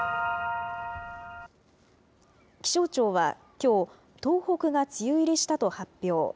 気象庁はきょう、東北が梅雨入りしたと発表。